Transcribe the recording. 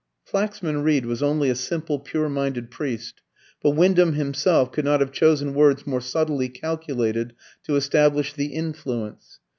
Flaxman Reed was only a simple pure minded priest, but Wyndham himself could not have chosen words more subtly calculated to establish the "influence."